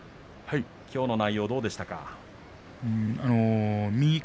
きょうの内容どうでしたか。